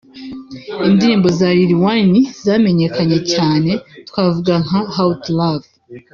Indirimbo za Lil Wayne zamenyekanye cyane twavuga nka How To Love